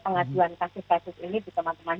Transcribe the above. pengaduan kasus kasus ini di teman teman